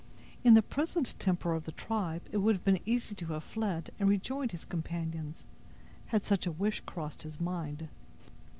In the present temper of the tribe it would have been easy to have fled and rejoined his companions, had such a wish crossed his mind.